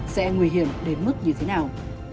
sẽ nguy hiểm đến mức như thế nào